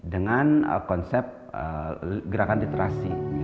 dengan konsep gerakan literasi